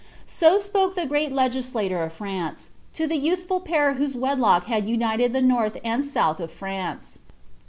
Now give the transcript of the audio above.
^ So spoke the great legislator of France, to the youthful pair whose wedlock had united the north and south of France.